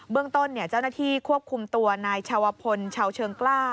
เรื่องต้นเจ้าหน้าที่ควบคุมตัวนายชาวพลชาวเชิงกล้า